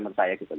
menurut saya gitu